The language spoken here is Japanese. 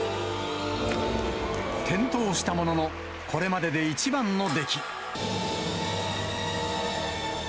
転倒したものの、これまでで一番の出来。